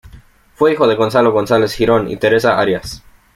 Fue hijo de Gonzalo González Girón y Teresa Arias.